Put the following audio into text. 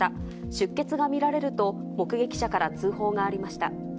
出血が見られると、目撃者から通報がありました。